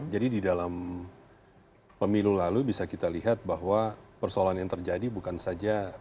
jadi di dalam pemilu lalu bisa kita lihat bahwa persoalan yang terjadi bukan saja